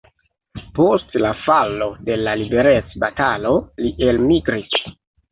Post la falo de la liberecbatalo li elmigris.